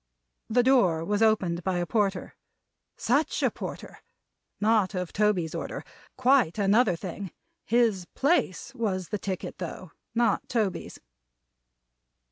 The door was opened by a Porter. Such a Porter! Not of Toby's order. Quite another thing. His place was the ticket, though; not Toby's.